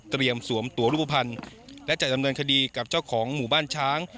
สวมตัวรูปภัณฑ์และจะดำเนินคดีกับเจ้าของหมู่บ้านช้าง